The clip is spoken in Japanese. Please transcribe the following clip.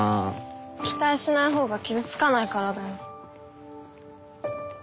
期待しないほうが傷つかないからだよ。